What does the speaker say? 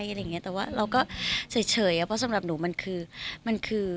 อะไรอย่างเงี้ยแต่ว่าเราก็เฉยเพราะสำหรับหนูมันคือมันคือ